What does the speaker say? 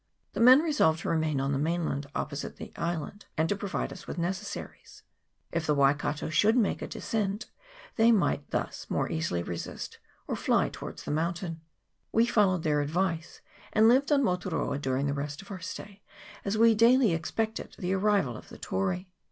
The men resolved to remain on the mainland opposite the island, and to provide us with necessaries : if the Waikato should make a de scent, they might thus more easily resist, or fly towards the mountain. We followed their advice, and lived on Motu roa during the rest of our stay, as we daily expected the arrival of the Tory.